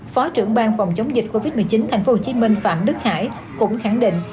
phó trưởng ban phòng chống dịch covid một mươi chín tp hcm phạm đức hải cũng khẳng định